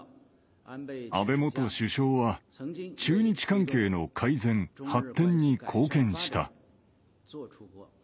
安倍元首相は、中日関係の改善・発展に貢献した。